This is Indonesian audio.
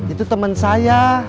itu temen saya